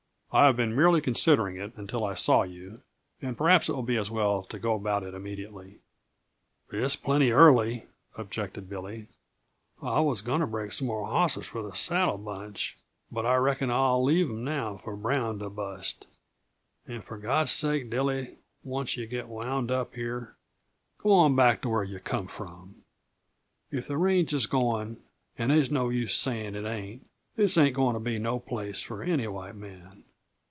I have been merely considering it until I saw you. And perhaps it will be as well to go about it immediately." "It's plenty early," objected Billy. "I was going to break some more hosses for the saddle bunch but I reckon I'll leave 'em now for Brown to bust. And for God sake, Dilly, once yuh get wound up here, go on back where yuh come from. If the range is going and they's no use saying it ain't this ain't going to be no place for any white man."